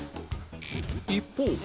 一方